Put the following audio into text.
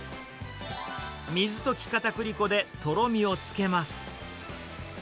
水溶きかたくり粉でとろみをつけます。